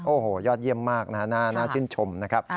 โอ้โหยอดเยี่ยมมากนะฮะน่าชื่นชมนะครับ